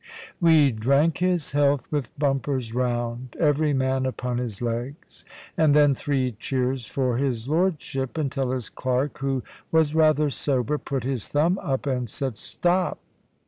We drank his health with bumpers round, every man upon his legs, and then three cheers for his lordship; until his clerk, who was rather sober, put his thumb up, and said "Stop."